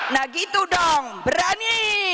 nah gitu dong berani